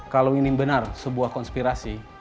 kalau ini benar sebuah konspirasi